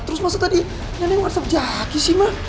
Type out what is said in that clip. terus masa tadi nenek nge whatsapp jaki sih ma